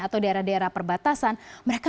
atau daerah daerah perbatasan mereka